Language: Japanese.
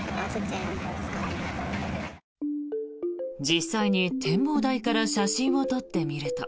実際に展望台から写真を撮ってみると。